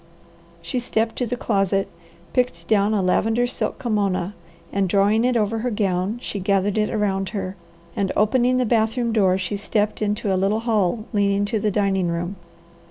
She stepped to the closet, picked down a lavender silk kimona and drawing it over her gown she gathered it around her and opening the bathroom door, she stepped into a little hall leading to the dining room.